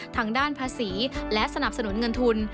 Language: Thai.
ทางด้านภาษีและสนับสนุนเงินทุน